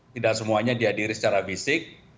tidak semuanya dihadiri secara fisik